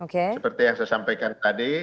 seperti yang saya sampaikan tadi